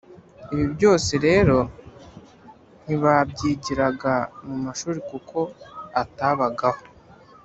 ibyo byose rero ntibabyigiraga mu mashuri kuko atabagaho